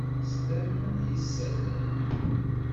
Teslam s yisallen?